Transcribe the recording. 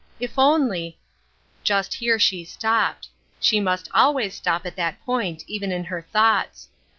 If only" — Just here she stopped ; she must always stop at that point, even in her thoughts.